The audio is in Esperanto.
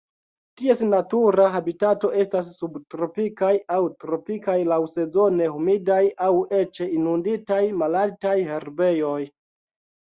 Ties natura habitato estas subtropikaj aŭ tropikaj laŭsezone humidaj aŭ eĉ inunditaj malaltaj herbejoj.